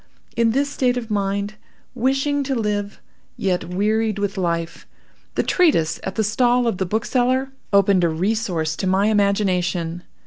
In this state of mind, wishing to live, yet wearied with life, the treatise at the stall of the bookseller opened a resource to my imagination.